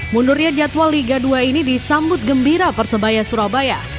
mundurnya jadwal liga dua ini disambut gembira persebaya surabaya